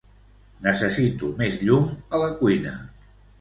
Necessito més llum a la cuina.